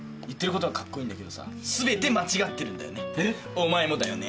お前もだよね。